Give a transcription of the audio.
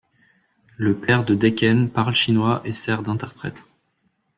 Le Père de Deken parle chinois et sert d'interprête.